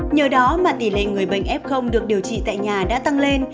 nhờ đó mà tỷ lệ người bệnh f được điều trị tại nhà đã tăng lên